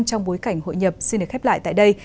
trong bối cảnh hội nhập xin được khép lại tại đây